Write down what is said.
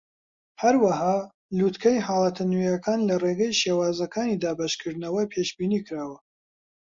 هەروەها، لووتکەی حاڵەتە نوێیەکان لە ڕێگەی شێوازەکانی دابەشکردنەوە پێشبینیکراوە.